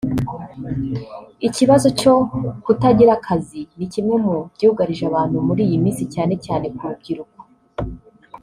Ikibazo cyo kutagira akazi ni kimwe mu byugarije abantu muri iyi minsi cyane cyane ku rubyiruko